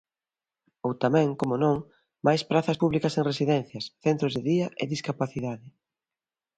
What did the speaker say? Ou tamén, como non, máis prazas públicas en residencias, centros de día e discapacidade.